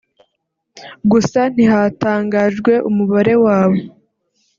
gusa ntihatangajwe umubare wabo